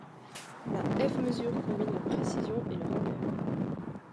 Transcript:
La F-mesure combine la précision et le rappel.